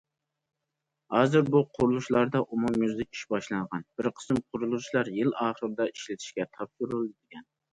ھازىر بۇ قۇرۇلۇشلاردا ئومۇميۈزلۈك ئىش باشلانغان، بىر قىسىم قۇرۇلۇشلار يىل ئاخىرىدا ئىشلىتىشكە تاپشۇرۇلىدىكەن.